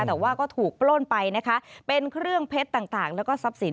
แต่ว่าก็ถูกปล้นไปนะคะเป็นเครื่องเพชรต่างแล้วก็ทรัพย์สิน